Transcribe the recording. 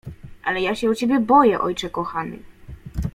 "Ale ja się o ciebie boję, ojcze kochany."